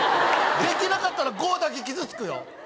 できなかったら５だけ傷つくよ